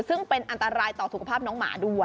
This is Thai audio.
ซึ่งเป็นอันตรายต่อสุขภาพน้องหมาด้วย